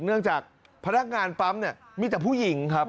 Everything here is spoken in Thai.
เนื่องจากพนักงานปั๊มเนี่ยมีแต่ผู้หญิงครับ